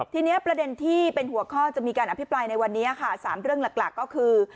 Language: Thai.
ทีนี้ประเด็นที่เป็นหัวข้อจะมีการอภิปรายในวันนี้ค่ะ๓เรื่องหลักก็คือ